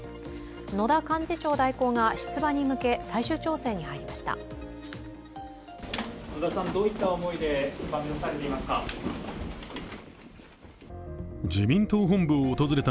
野田幹事長代行が出馬に向け、最終調整に入りました。